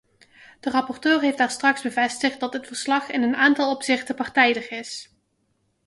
De rapporteur heeft daarstraks bevestigd dat dit verslag in een aantal opzichten partijdig is.